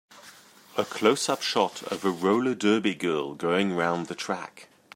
A closeup shot of a roller derby girl going round the track.